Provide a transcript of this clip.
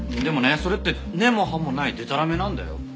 でもねそれって根も葉もないでたらめなんだよ。